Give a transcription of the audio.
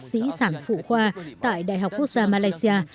sĩ sản phụ khoa tại đại học quốc gia malaysia